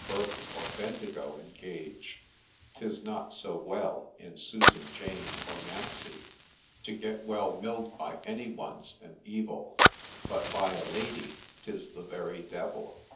Burke or Bendigo engage ;— 'Tis not so well in Susan, Jane, or Nancy :— To get well mill'd by any one 's an evil, But by a lady — 'tis the very Devil.